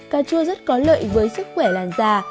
cà chua rất có lợi với sức khỏe làn già